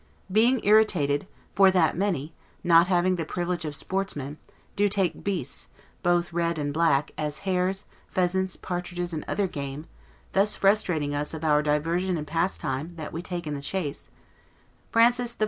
Being irritated "for that many, not having the privilege of sportsmen, do take beasts, both red and black, as hares, pheasants, partridges, and other game, thus frustrating us of our diversion and pastime that we take in the chase," Francis I.